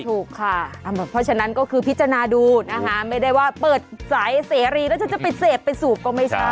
ถูกค่ะเพราะฉะนั้นก็คือพิจารณาดูนะคะไม่ได้ว่าเปิดสายเสรีแล้วฉันจะไปเสพไปสูบก็ไม่ใช่